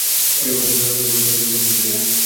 তিনি লাল রঙের উটের উপর সওয়ার ছিলেন।